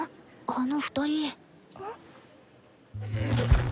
あの２人。